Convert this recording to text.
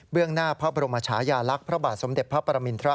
หน้าพระบรมชายาลักษณ์พระบาทสมเด็จพระปรมินทร